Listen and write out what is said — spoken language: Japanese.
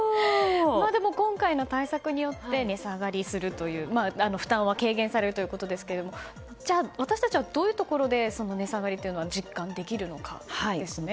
今回の対策によって負担は軽減されるということですが私たちはどういうところで値下がりというのを実感できるのかですね。